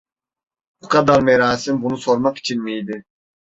Bu kadar merasim bunu sormak için miydi?